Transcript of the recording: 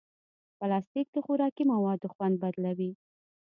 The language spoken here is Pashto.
پلاستيک د خوراکي موادو خوند بدلوي.